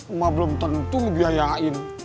emak belum tentu ngebiayain